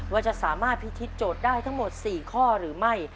ว่าจะสามารถพิธีโจทย์ได้ทั้งหมด๔ข้อหรือไม่